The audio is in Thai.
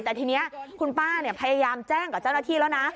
แต่ทีนี้คุณป้าพยายามแจ้งกับเจ้าหน้าที่แล้วนะ